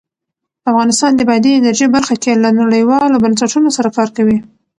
افغانستان د بادي انرژي برخه کې له نړیوالو بنسټونو سره کار کوي.